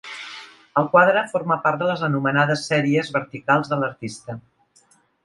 El quadre forma part de les anomenades sèries verticals de l'artista.